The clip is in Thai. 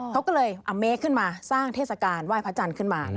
เขาก็เลยอเมคขึ้นมาสร้างเทศกาลไหว้พระจันทร์ขึ้นมา